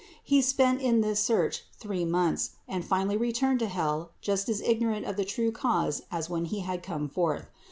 He spent in this search three months and finally returned to hell just as ignorant of the true cause as when he had come forth.